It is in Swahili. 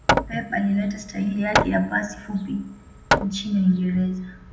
Pep alileta staili yake ya pasi fupi nchini uingereza